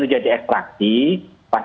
menjadi ekstraksi pasti